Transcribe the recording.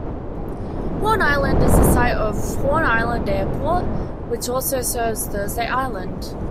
Horn Island is the site of Horn Island Airport, which also serves Thursday Island.